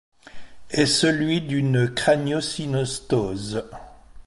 Est celui d’une craniosynostose.